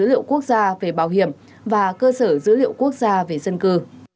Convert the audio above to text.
cơ sở dữ liệu quốc gia về bảo hiểm và cơ sở dữ liệu quốc gia về dân cư